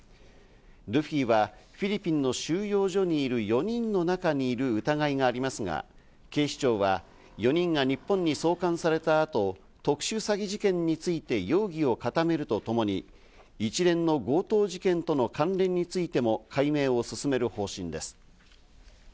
ルフィはフィリピンの収容所にいる４人の中にいる疑いがありますが、警視庁は４人が日本に送還された後、特殊詐欺事件について容疑を固めるとともに、一連の強盗事件との関連についても解明を進める方針です。